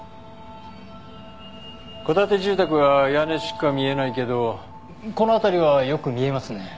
戸建て住宅は屋根しか見えないけどこの辺りはよく見えますね。